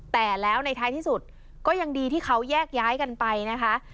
แต่แล้วในท้ายที่สุดก็ยังดีที่เขาแยกย้ายกันไปนะคะ